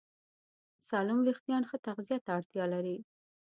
سالم وېښتيان ښه تغذیه ته اړتیا لري.